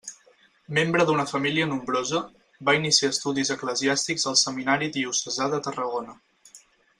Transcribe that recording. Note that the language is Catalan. Membre d'una família nombrosa, va iniciar estudis eclesiàstics al Seminari Diocesà de Tarragona.